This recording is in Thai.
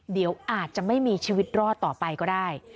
เดี๋ยวอาจจะไม่มีชีวิตรอดต่อไปก็ได้